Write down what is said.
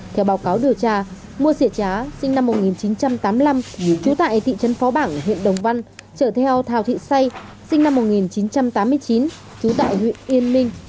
theo báo cáo điều tra mua xịa trá sinh năm một nghìn chín trăm tám mươi năm chú tại thị trấn phó bảng huyện đồng văn trở theo thào thị xây sinh năm một nghìn chín trăm tám mươi chín chú tại huyện yên minh